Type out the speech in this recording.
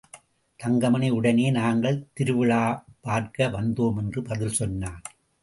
தங்கமணி உடனே, நாங்கள் திருவிழாப் பார்க்க வந்தோம் என்று பதில் சொன்னான்.